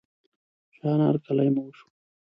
شاهانه هرکلی مو وشو.